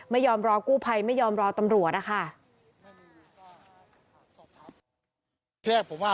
ไม่ยอมรอกู้ภัยไม่ยอมรอตำรวจนะคะ